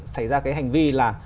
xảy ra hành vi là